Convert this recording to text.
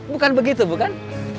bukan begitu bukan